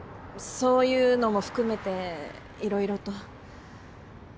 そういうのも含めていろいろと。